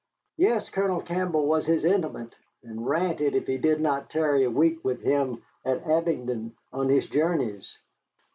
Yes, Colonel Campbell was his intimate, and ranted if he did not tarry a week with him at Abingdon on his journeys.